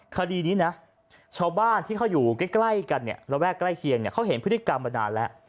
คดีนี้นะชาวบ้านที่เขาอยู่ใกล้กันเนี่ยระแวกใกล้เคียงเนี่ยเขาเห็นพฤติกรรมมานานแล้ว